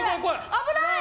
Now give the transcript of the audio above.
危ない！